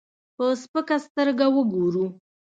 په سپکه سترګه وګورو.